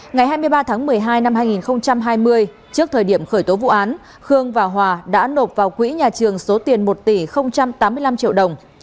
ngày hai mươi ba tháng một mươi hai năm hai nghìn hai mươi trước thời điểm khởi tố vụ án khương và hòa đã nộp vào quỹ nhà trường số tiền một tỷ tám mươi năm triệu đồng